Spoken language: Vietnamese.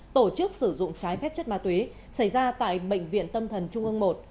tổ chức sử dụng trái phép chất ma túy xảy ra tại bệnh viện tâm thần trung ương một